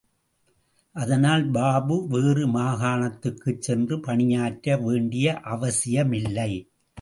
அதனால் பாபு வேறு மாகாணத்துக்குச் சென்று பணியாற்ற வேண்டிய அவசியமில்லை.